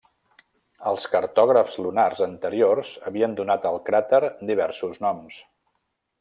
Els cartògrafs lunars anteriors havien donat al cràter diversos noms.